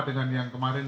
bukan yang kemarin